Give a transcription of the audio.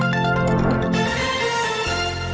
สวัสดีครับ